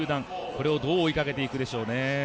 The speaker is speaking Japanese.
これをどう追いかけていくでしょうか。